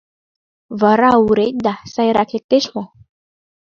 — Вара, урет да, сайрак лектеш мо?